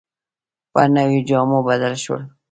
په نویو جامو بدل شول.